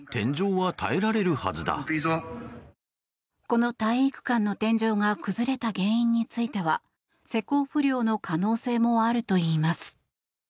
この体育館の天井が崩れた原因については施工不良の可能性もあるといいます。